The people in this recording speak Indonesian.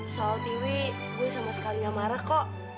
soal tiwi gue sama sekali gak marah kok